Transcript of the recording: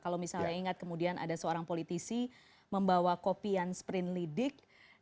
kalau misalnya ingat kemudian ada seorang politisi membawa kopian sprint lidik